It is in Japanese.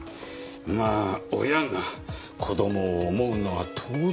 まあ親が子供を思うのは当然の事なんだが。